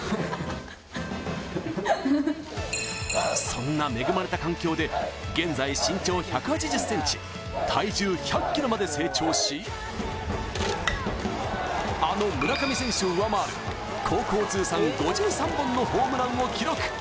そんな恵まれた環境で現在、身長１８０ｃｍ体重１００ｋｇまで成長しあの村上選手を上回る高校通算５３本のホームランを記録。